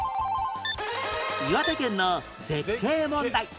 岩手県の絶景問題